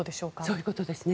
そういうことですね。